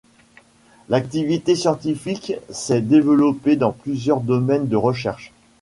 L’activité scientifique s’est développée dans plusieurs domaines de recherches.